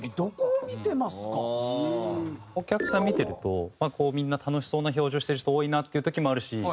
お客さん見てるとみんな楽しそうな表情してる人多いなっていう時もあるし。